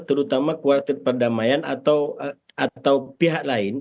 terutama kuartit perdamaian atau pihak lain